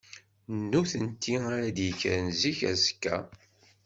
D nutenti ara d-yekkren zik azekka.